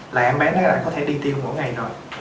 là em bé nó đã có thể đi tiêu một ngày rồi